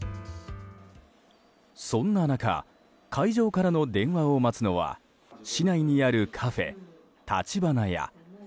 そんな中会場からの電話を待つのは市内にあるカフェ、橘屋。